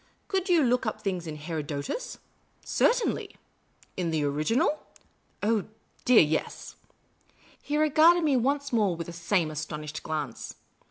Could you look up things in Herodotus ?"" Certainly." " In the original ?"" Oh, dear, yes." He regarded me once more with the same astonished glance.